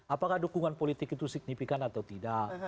apakah dukungan politik itu signifikan atau tidak